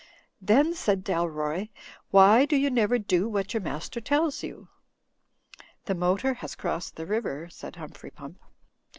"Then," said Dalroy, "why do you never do what your master tells you?" "The motor has crossed the river," said Humphrey Pump.